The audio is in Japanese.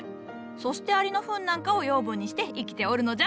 そしてアリのフンなんかを養分にして生きておるのじゃ。